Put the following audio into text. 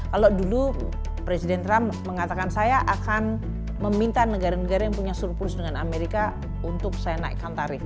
kalau dulu presiden trump mengatakan saya akan meminta negara negara yang punya surplus dengan amerika untuk saya naikkan tarif